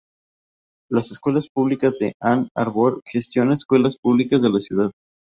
Las Escuelas Públicas de Ann Arbor gestiona escuelas públicas de la ciudad.